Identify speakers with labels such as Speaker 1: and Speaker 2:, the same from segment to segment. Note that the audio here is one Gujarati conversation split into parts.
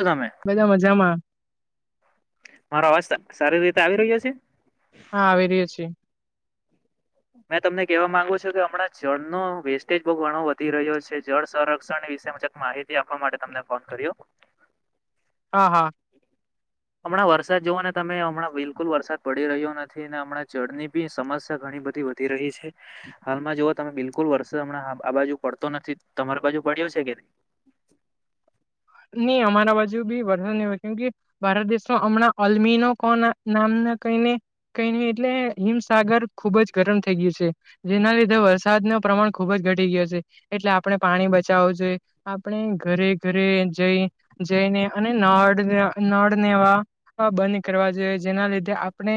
Speaker 1: તમે,
Speaker 2: બધા મજામાં
Speaker 1: મારો આવાજ ત સારી રીતે આવી રહ્યો છે?
Speaker 2: હા આવિ રહ્યો છે.
Speaker 1: મેં તમને કેવા માંગુ છું કે હમણાં જળનો વેસ્ટેજ બહુ ઘણો વધી રહ્યો છે, જળ સંરક્ષણ એ વિશય મુજક માહિતી આપવા માટે તમને ફોન કર્યો.
Speaker 2: હા હા.
Speaker 1: હમણાં વરસાદ જોવોને તમે હમણાં બિલકુલ વરસાદ પડી રહ્યો નથી ને હમણાં જડની બી સમસ્યા ઘણી બધી વઘી રહી છે, હાલમાં જોવો તમે બિલકુલ વરષો હમણા હા આ બાજુ પડતો નથી. તમાર બાજુ પડ્યું છે કે ની?
Speaker 2: ની અમારા બાજુ બી વર્ષ [unintelligible] ભારત દેશમાં અમણાં અલમીનોકોના નામ ના કઈને કઈ નહી એટલે હિમસાગર ખુબ જ ગરમ થઈ ગ્યું છે, જેના લીધે વરસાદ નુ પ્રમાણ ખુબ જ ઘટી ગયા છે, એટલે આપણે પાણી બચાવો જોઈએ. આપણે ઘરે ઘરે જઈ જઈને અને નળ નળને એવા બંધ કરવા જોઈએ જેના લીધે આપણે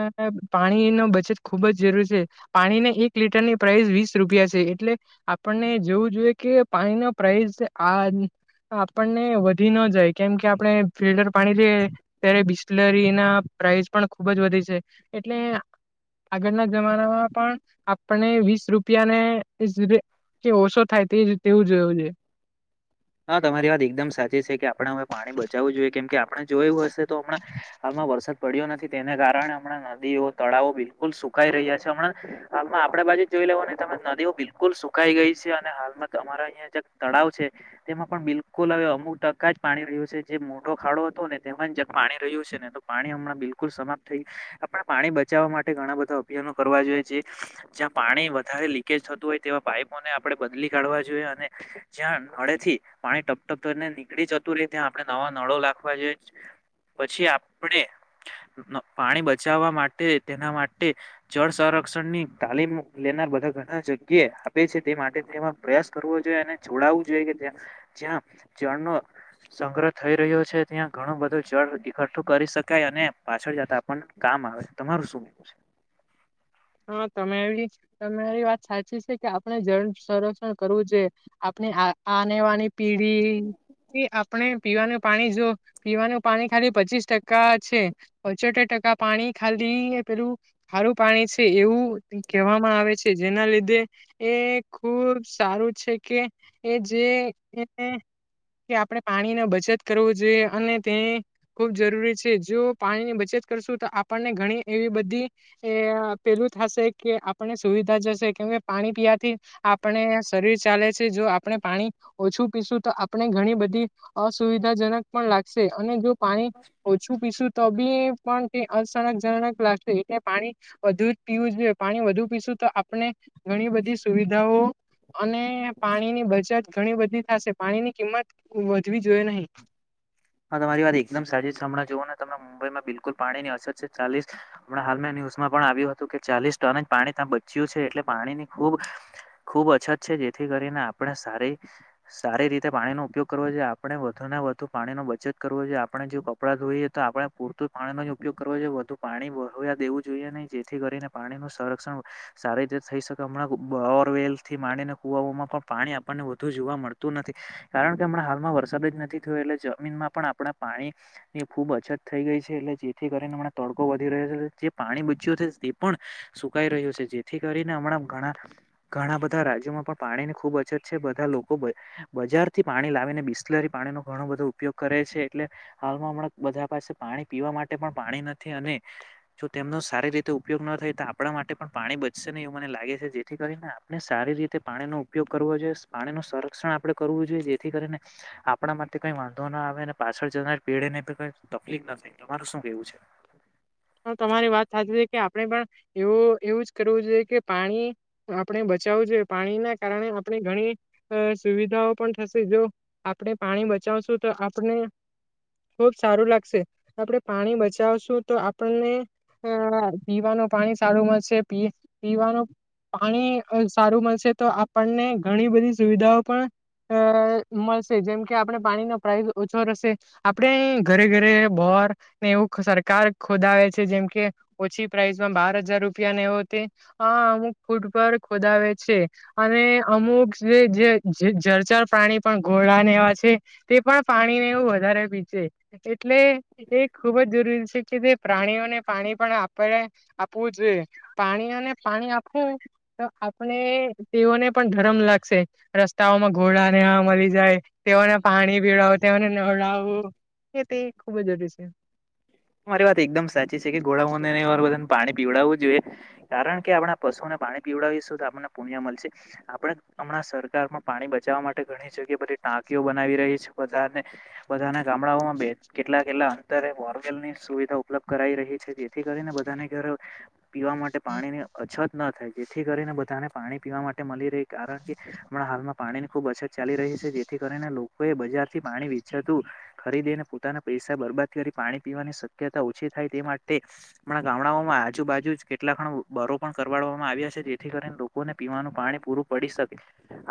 Speaker 2: અ પાણી નો બચત ખુબ જ જરૂર છે. પાણીન એક લીટરની પ્રાઇસ વીસ રૂપિયા છે, એટલે આપણને જોવું જોઈએ કે પાણીનો પ્રાઇસ આ આપણને વધી ન જાય કેમ કે આપણે ફિલ્ટર પાણી લઈએ ત્યારે બિસ્લરી ના પ્રાઇઝ પણ ખુબ જ વધે છે એટલે આગળના જમાનામાં પણ આપણને વીસ રૂપિયાને [unintelligible] કે ઓછો થાય તે તેવું જોવું જોયે.
Speaker 1: હા તમારી વાત એકદમ સાચી છે કે આપડ હવે પાણી બચાવું જોઈએ કેમ કે આપણે જોયું હશે તો હમણાં હાલમાં વરસાદ પડ્યો નથી તેને કારણે હમણાં નદીઓ, તળાવો બિલકુલ સુ કાઈ રહ્યા છે હમણાં. હાલમાં આપડા બાજુ જ જોઈ લેવો ને તમે નદીઓ બિલકુલ સુકાઈ ગઈ છે અને હાલમાં ત મારા અહિયાં જે તળાવ છે તેમાં પણ બિલકુલ હવે અમુક ટકા જ પાણી રહ્યું છે, જે મોટો ખાડો હતો ને તેમાં જ પાણી રહ્યું છે ને તો પાણી હમણાં બિલકુલ સમાપ્ત થઈ, આપણા પાણી બચાવવા માટે ઘણા બધા અભિયાનો કરવા જોઈએ જે જ્ યા પાણી વધારે લીકેજ થતું હોય તેવા પાઈપોને આપણે બદલી કાઢવા જોઈએ અને જ્યાં નળેથી પાણી ટપ ટપ થઇને નીકળી જતુ રે, ત્યાં આપડે નવા નળો લાખવા જોઈએ છ. પછી આપણે પાણી બચાવવા માટે તેના માટે જળ સં રક્ષણની તાલીમ લેનાર બધા ઘણા જગ્યાએ આપે છે તે માટે તેમાં પ્રયાસ કરવો જોઈએ અને જોડ પડાવવું જોએ કે ત્યા જ્યાં જળનો સંગ્રહ થઈ રહ્યો છે ત્યાં ઘણું બધું જળ ઈક્કટ્ટુ કરી શકાય અને પાછળ જતા પણ કામ આવે. તમારું શું કેવું છે?
Speaker 2: હા તમે એવી તમારી વાત સાચી છે કે આપણે જળ સંરક્ષણ કરવું જોઈએ. આપ અને આને વાની પીઢી એ આપણે પીવાનું પાણી જો પીવાનું પાણી ખાલી પચીસ ટકા છે, પચોતેર ટ- કા પાણી ખાલી પેલું ખારું પાણી છે એવું કહેવામાં આવે છે, જેના લીધે એ ખુબ સારું છે, કે એ જે કે આપણે પાણીની બચત કરવો જોઈએ અને તે ખૂબ જરૂરી છે, જો પાણીની બચત કરશું તો આપણને ઘણી એવી બધી એ પેલું થશે કે આપણે સુવિધા જશે કેમ કે પાણી પીવાથી આપણે શરીર ચાલે છે, જો તો આપણે પાણી ઓછું પીશું તો આપણે ઘણી બધી અસુવિધાજનક પણ લાગશે અને જો પાણી ઓછું પીશું તો બી પણ કઈ અસનકજનક લાગશે એટલે પાણી વધુ જ પીવું જ જોઈએ પાણી વધુ પીશું તો આપણે ઘણી બધી સુવિધાઓ અને પાણીની બચત ઘણી બધી થશે પાણીની કિંમત વધવી જોઈ નહી
Speaker 1: હા તમારી વાત એકદમ સાચી છે, હમણાં જુઓ ને તમે મુંબઈમાં બિલકુલ પાણીની અસર છે, ચાલીસ હમણાં હાલમાં ન્યુઝ પણ આવ્યું હતું કે ચાલીસ ટન જ પાણી ત્યાં બચ્યું છે, એટલે પાણીની ખૂબ ખૂબ અછત છે, જેથી કરીને આપણે સારી સારી રીતે પાણીનો ઉપયોગ કરવો જોઈએ આપણે વધુ ને વધુ પાણીનો બ ચત કરવો જોઈ આપણે જો કપડાં ધોઈએ તો આપણે પૂરત પાણીનો જ ઉપયોગ કરવો જોઈએ વધુ પાણી વહવયા દેવું જોઈએ નહી જેથી કરીને પાણીનું સંરક્ષણ સારી રીતે થઈ શકે હમણાં બોરવેલથી માંડીને કુવો પણ પાણી આપણને વધુ જોવા મળતું નથી કારણ કે હમણા હાલમાં વરસાદ જ નથી થયો એટલે જમીનમાં પણ આપણા પાણી ની ખૂબ અછત થઈ ગઈ છે, એટલે જેથી કરીને હમણા તડકો વધી રહ્યો છે, જે પાણી બચયુ છે, તે પણ સુકાઈ રહ્યો છે, જેથી કરીને હમણાં ઘણા ઘણા બધા રાજ્યોમાં પણ પા ણીની ખુબ અછત છે, બધા લોકો બજારથી પાણી લાવીને બિસ્લરી પાણીનો ઘણો બધો ઉપયોગ કરે છે, એટલે હાલમાં હમણાં બધા પાસે પાણી પીવા માટે પણ પાણી નથી અને જો તેમ નુ સારી રીતે ઉપયોગ ન થાય તો આપણા માટે પણ પાણી બચશે નહીં એવું મને લાગે છે, જેથી કરીને આપણે સારી રીતે પા ણીનો ઉપયોગ કરવો જોઈએ પાણીનું સંરક્ષણ આપડે કરવું જોઈએ જેથી કરીને આપણા માટે કઈ વાં ધો ના આવેને પાછળ જનાર પીઢે ને કઈ તકલીફ નથી તમારું શું કેવું છે?
Speaker 2: હ તમારી વાત સાચી છે, કે આપણે પણ એવું એવું જ કરવું જોઈએ કે પાણી આપણે બચાવું જોઈએ પાણીના કારણે આપણે ઘણી અ સુવિધાઓ પણ થશે જો આપણે પાણી બચાવશું તો આપણે ખુબ સારું લાગશે આપણેે પાણી બચાવશું તો આપણને આ પીવાનું પાણી સારું મળશે પી પીવાનું પાણી સારું મળશે તો આપણને ઘણી બધી સુવિધાઓ પણ અ મળશે જેમ કે આપણે પાણીનો પ્રાઇઝ ઓછો રહેશે આપણે ઘરે ઘરે બોરને એવું સરકાર ખોદાવે છે જેમકે ઓછી પ્રાઇસમાં બાર હજાર રૂપિયાને વુ તે આ અમુક ફૂડ પર ખોદાવે છે અને અમુક જે જર્જર પ્રાણી પણ ઘોડા ને એવા છે, તે પણ પાણી ને એવું વધારે પી છે એટલે એ ખુબ જ જરૂરી છે. તે પ્રાણીઓને પાણી પણ આપે આપવું જોઈએ પ્રાણીઓને પાણી આપવું તો આપણે તેઓને પણ ધરમ લાગશે રસ્તાઓમાં ઘોડા નેવા મળી જાય તેઓને પાણી પીડાવું તેઓને નડાવું એ તે ખુબ જ જરૂરી છે.
Speaker 1: તમારી વાત એકદમ સાચી છે, કે ઘોડાઓને નેવા બધા પાણી પીવડાવું જોઈએ કારણ કે આપણા પશુને પાણી પીવડાવી શુ આપને પુણિય મળશે આપણે હમણાં સરકાર પણ પાણી બચાવ બચાવા માટે ઘણી જગ્યા બધી ટાંકીઓ બનાવી રહી છે, બધાને બધાને ગામડાઓમાં બે કેટલા કેટલા અંતરે બોર એમની સુવિધા ઉપલબ્ધ કરાઈ રહી છે જેથી કરીને બધાને ઘરે પીવા માટે પાણીની અછત ન થાય જેથી કરીને બધાને પાણી પીવા માટે મળી રહે કારણ કે હમણાં હાલમાં પાણીની ખૂબ અછત ચાલી રહી છે, જેથી કરીને લોકોએ બજારથી પાણી વેચાતું ખરીદીને પોતાના પૈ સા બરબાદ કરી પાણી પીવાની શક્યતા ઓછી થાય તે માટે અમણા ગામડાઓમાં આજુબાજુ જ કેટલા ખણ બરો પણ કરવાડ આવ્યા છે જેથી કરીને લોકોને પીવાનું પાણી પૂરું પડી શકે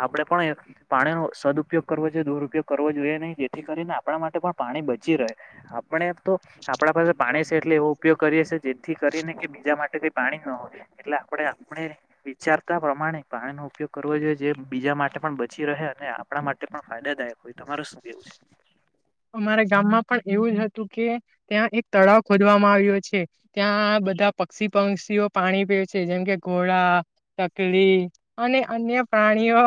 Speaker 1: આપણે પણ પાણી ન દુરપયોગ કરવો જોઈએ દુરપયોગ કરવો જોઈએ નહી જેથી કરીને આપણા માટે પણ પાણી બચી રહે આપણે તો આપણા પાસે પાણી છે એટલે એવો ઉપયોગ કરીએી જેથી કરીને કે બીજા માટે કઈ પાણી ન હોય એટલે આપણે આપણે વિચારતા પ્રમાણે પાણીનો ઉપયોગ કરવો જોઈએ જે બીજા માટે પણ બચી રહ આપણા માટે પણ ફાયદાદાયક હોય તમાર શું કેવું છે
Speaker 2: અમારા ગામમાં પણ એવું જ હતું કે ત્યાં એક તળાવ ખોદવામાં આવ્યો છે ત્યાં બધા પક્ષી પક્ષીઓ પાણી પી છે જેમ કે ઘોડા તકડી અને અન્ય પ્રાણીઓ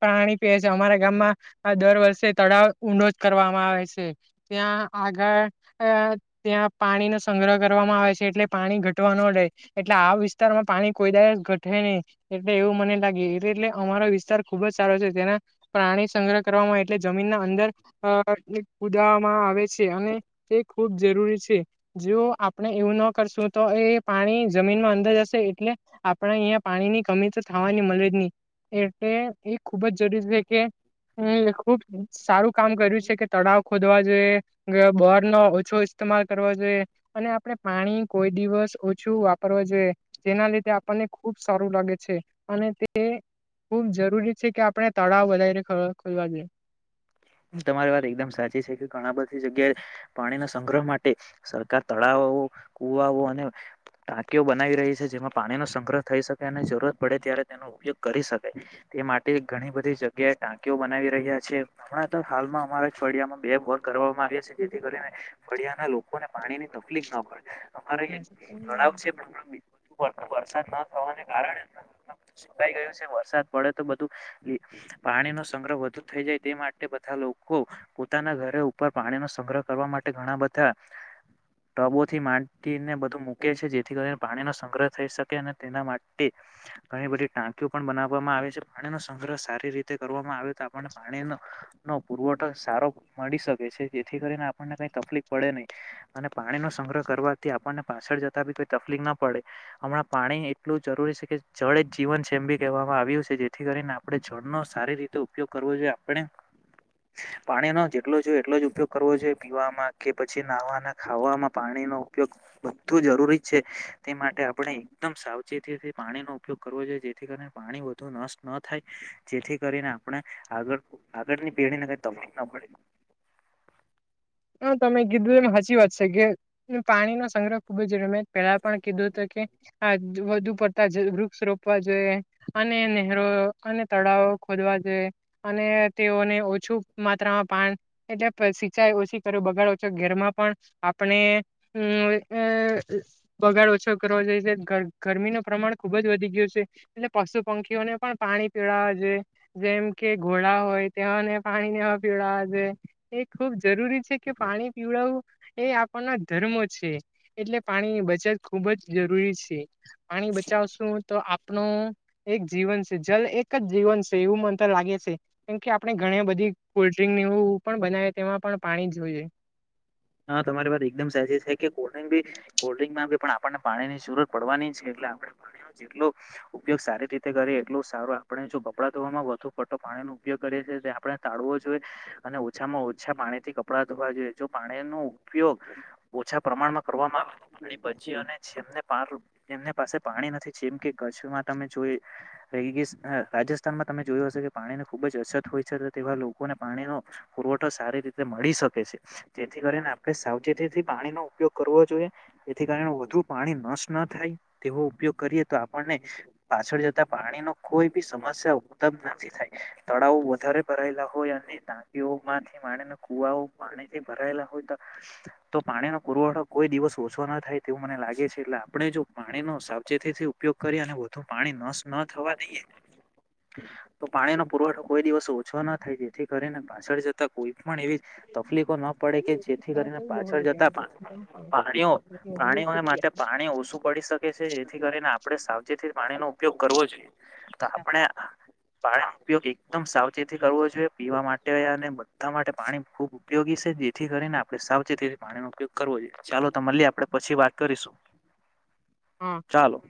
Speaker 2: પ્રણી પી છે અમારા ગામમાં દર વર્ષે તળાવ ઉનો કરવામાં આવે છે ત્યાં આગળ ત્યાં પાણીનો સંગ્રહ કરવા આવે છે એટલે પાણી ઘટવા ન રહેે એટલે આ વિસ્તારમાં પાણી કોઈદ ઘટે નહી એટલે એવું મને લાગ એટલે અમારો વિસ્તાર ખુબ જ સારો છે તેના પ્રાણી સંગ્રહ કરવામાં એટલે જમીનના અંદર અ કુદવામાં આવે છે અને તે ખૂબ જરૂરી છે જે આપણે એવું ન કરશું તો એ પાણી જમીનમાં અંદર જશે એટલે આપણે અહિયાય પાણી ની કમી તો થવાની મળ એટલે એ ખુબ જ જરૂરી છે કે ખબાર કામ કર્યું છે કે તળાવ ખોદવા જોઈએ બાર નો ઓછો ઇસ્તેમાલ કરવો જોઈએ અને આપડણે પાણી કોઈ દિવસ ઓછું વાપરવાએ જેના લીધે આપણને ખુબ સારું લાગે છે અને તે હુબ જરૂરી છે કે આપણે તળાવ વધારીને ખોલવા જોઈએ
Speaker 1: તમારી વાત એકદમ સાચી છે કે ઘણા બધી જગ્યાએ પાણીના સંગ્રહ માટે સરકાર તળાવ કુવાવો અને ટાંકીઓ બનાવી રહી છે જેમાં પાણીનોો સંગ્રહ થઈ શકે અને જરૂરત પડે ત્યારે તેનો ઉપયોગ કરી શકે એ માટે ઘણી બધી જગ્યાએ ટાંકીઓ બનાવી રહ્યા છે હમણાં તો હાલમાં અમારા જ ફળિયામાં બે વોર કરવામાં આવ્યા છે જેથી કરીને ફળિયા ના લોકોને પાણીની કલી પડે અમારેણાવ વરસાદ ન સવાને કારણ કાઈ ગયું છે વરસાદ પડે તો બધું પાણી નો સંગ્રહ વધુ થઈ જાય તે માટે માટે બધા લોકો પોતાના ઘરે ઉપર પાણીનો સંગ્રહ કરવા માટે ઘણા બધા ટબોથી માંડીને બધું મૂકે છે જેથી કરીને પાણીનોો સંગ્રહ થઈ શકે અને તેના માટે ઘણી બધી ટાંકીઓ પણ બનાવવામાં આવે છે પાણીનો સંગ્રહ સારી રીતે કરવામાં આવે તો આપણને પાણીનો ન પુરવઠો સારો મળી શકે છે જેથી કરીને આપણને કઈ તકલીફ પડે નહીિ અને પાણી ન સંગ્રહ કરવાથી આપણને પાછળ જતા બી તકલીફ ના પડે હમણાં પાણી એટલું જરૂરી છે કે જળ આપ જીવની કહેવામાં આવ્યું છે જેથી કરીને આપણે જળનોો સારી રીતે ઉપયોગ કરવો જોઈએ આપણે [inaudible] પાણીનોો જેટલો જો એટલો જ ઉપયોગ કરવો જોઈએ પીવામાં કે પછી નાહવાના ખાવામાં પાણીનોો ઉપયોગ બું જરૂરી છે તે માટે આપણે એકદમ સાવચેતીથી પાણીનોો ઉપયોગ કરવો જોઈએ જેથી પાણી વધુ નષ્ટ ન થાય જેથી કરીને આપણે આગળ આગળની પેઢીને કઈ તલીફ ના પડે
Speaker 2: હ તમે કીધું એમ હચ વાત છે કે પાણીનોો સંગ્રહ ખુબ જ રમે પેલા પણ કીધું તો કે આ વધુ પડતા વૃક્ષ રોપવા જોઈએ અને નરો અને તળાવો ખો તેઓને ઓછું માત્રામાં પા એટલે સિંચાઈ ઓછી બગાડ ઓછો ઘેરમાં પણ આપણે બગાડ ઓછો કરો ગરમી ન પ્રમાણ ખુબ જ વધી ગયું છે એટલે પશુ પંખીઓને પણ પાણી પીડાવા છે જેમ કે ઘોડા હોય તે્યાને પાણીને પીડવા જો એ ખુબ જરૂરી છે કે પાણી પીવડાવું એ આપણના ધર્મો છે એટલે પાણીની બચત ખુબ જ જરૂરી છે પાણી બચાવશું તો આપ એક જીવન છે જલ એક જ જીવન છે એવું મન તો લાગે છે કેમ કે આપણે ઘણી બધી કોલ્ડ્રિંક એવું પણ બનાવે તેમાં પણ પાણી જોઈએ
Speaker 1: હા તમારી વાત એકદમ સાચી છે કે કોલ્ડ્રિંક ભી કોલ્ડ્રિંક માં પણ આપણને પાણી ની જરૂરત પડવાની છે એ આપ પાણીનો જેટલો ઉપયોગ સારી રીતે કરીએ એટલો સારો આપણે જો બપડા દવામાં વધુ પટો ન ઉપયોગ કરીએ છે આપણે તાળવો જોઈએ અને ઓછામાં ઓછા પાણી થી કપડાં ધોવા જોઈએ પાણી ન ઉપયોગ ઓછા પ્રમાણમાં કરવામાં આવે પછી અને જેમને એની પાસે પાણી નથી જેમ કે કચ્છમાં તમે જો રાજસ્થાનમાં તમે જોયું હશે કે પાણીની ખુબ જ અછત હોય છે તો તેવા લોકોને પાણીનો પુરવઠો સારી રીતે મળી શકે છે જેથી કરીને આપણે સાવચેતીથી પાણીનોો ઉપયોગ કરવો જોઈએ જેથી કાર વધુ પાણી નષ્ટ ના થાય તેવો ઉપયોગ કરીએ તો આપણને પાછળ જતા પાણી ન કોઈ બી સમસ્યા ઉતમ નથી થાય તળાવ વધારે ભરાયેલા હોય અને દાંકીઓ માંથી માણેને કુવાઓ માણે ભરાયેલા હોય તો તો પાણીનો પુરવઠો કોઈ દિવસ ઓછો ના થાય તેવું મને લાગે છે એટલે આપણે પાણીનો સાવચેતીથી ઉપયોગ કરી અને વધુ પાણી ન ન થવા દઈએ તો પાણી નો પુરવઠો કોઈ દિવસ ઓછો ના થાય જેથી કરીને પાછ જતા કોઈ પણ એવી તલી ન પડે કે જેથી કરીને પાછળ જતા પ્રણીઓ પ્રાણીઓને માટે પાણી ઓછું પડી શકે છે જેથી કરીને આપણે સાવચેતી પાણીનો ઉપયોગ કરવો જોઈએ તો આપણે પાણીનો ઉપયોગ એકદમ સાવચેતી કરવો જોઈએ પીવા માટે અને બધા માટે પાણી ખુબ ઉપયોગી છે જેથી કરીને આપડણે સાવચેતી પાણીનોો ઉપયોગ કરવો જોઈએ ચાલો તો મળીએ આપડે પછી વાત કરીશું
Speaker 2: હા
Speaker 1: ચાલો [unintelligible]